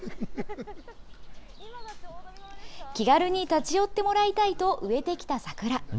気軽に立ち寄ってもらいたいと、植えてきた桜。